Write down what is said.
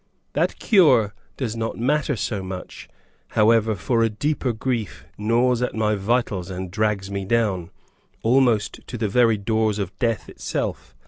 The cure does not matter so much, however, for a deeper grief gnaws at my vitals and drags me down, almost to the very doors of death itself.